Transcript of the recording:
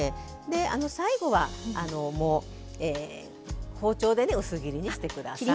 で最後はもう包丁でね薄切りにして下さい。